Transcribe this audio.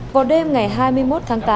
vào đêm ngày hai mươi một tháng tám